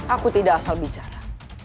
aku tidak asal bicara